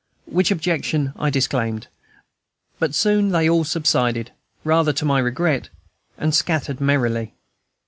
which objection I disclaimed; but soon they all subsided, rather to my regret, and scattered merrily.